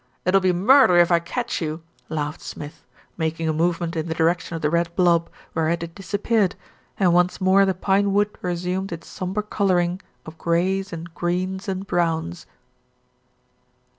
"It'll be murder if I catch you," laughed Smith, making a movement in the direction of the red blob, whereat it disappeared, and once more the pinewood resumed its sombre colouring of greys and greens and browns.